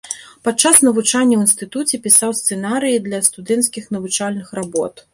Падчас навучання ў інстытуце пісаў сцэнарыі для студэнцкіх навучальных работ.